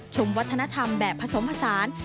ชมวัฒนธรรมแบบผสมผสาน